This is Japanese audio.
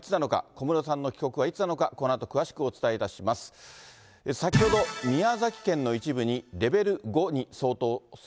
小室さんの帰国はいつなのか、このあと詳しくお伝えいたします。